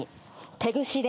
手ぐしで。